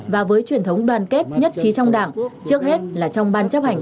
và với truyền thống đoàn kết nhất trí trong đảng trước hết là trong ban chấp hành